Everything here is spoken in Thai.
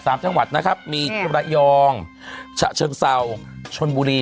จังหวัดนะครับมีระยองฉะเชิงเศร้าชนบุรี